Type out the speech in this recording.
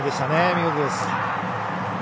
見事です。